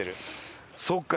そっか。